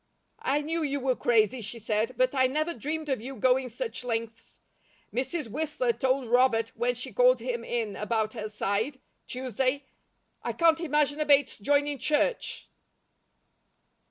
"I knew you were crazy," she said, "but I never dreamed of you going such lengths. Mrs. Whistler told Robert, when she called him in about her side, Tuesday. I can't imagine a Bates joining church."